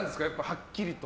はっきりと。